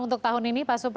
untuk tahun ini